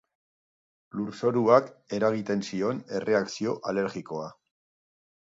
Lurzoruak eragiten zion erreakzio alergikoa.